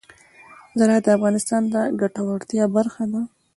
زراعت د افغانانو د ګټورتیا برخه ده.